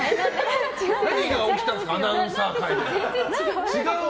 何が起きたんですかアナウンサー界で。